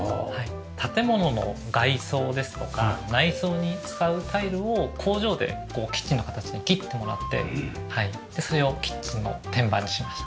建物の外装ですとか内装に使うタイルを工場でキッチンの形に切ってもらってそれをキッチンの天板にしました。